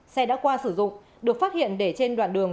xe đã qua sử dụng được phát hiện để trên đoạn đường